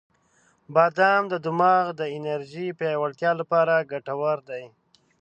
• بادام د دماغ د انرژی پیاوړتیا لپاره ګټور دی.